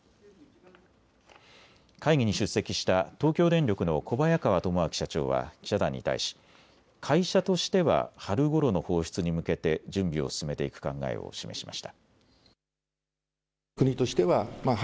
会議に出席した東京電力の小早川智明社長は記者団に対し会社としては春ごろの放出に向けて準備を進めていく考えを示しました。